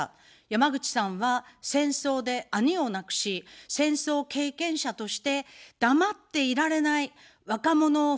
山口さんは、戦争で兄を亡くし、戦争経験者として黙っていられない、若者を